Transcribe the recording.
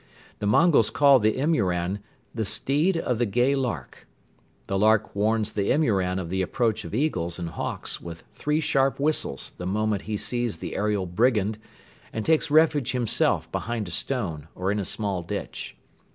The Mongols call the imouran "the steed of the gay lark." The lark warns the imouran of the approach of eagles and hawks with three sharp whistles the moment he sees the aerial brigand and takes refuge himself behind a stone or in a small ditch.